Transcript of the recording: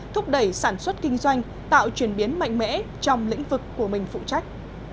thúc đẩy sản xuất kinh doanh tạo chuyển biến mạnh mẽ trong lĩnh vực của mình phụ trách